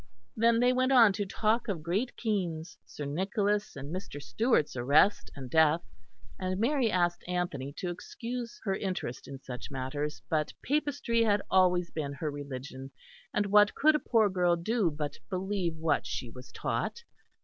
Then they went on to talk of Great Keynes, Sir Nicholas, and Mr. Stewart's arrest and death; and Mary asked Anthony to excuse her interest in such matters, but Papistry had always been her religion, and what could a poor girl do but believe what she was taught?